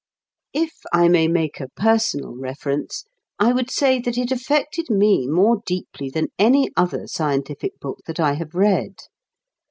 If I may make a personal reference, I would say that it affected me more deeply than any other scientific book that I have read.